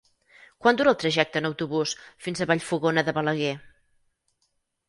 Quant dura el trajecte en autobús fins a Vallfogona de Balaguer?